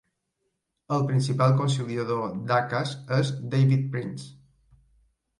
El principal conciliador d'Acas és David Prince.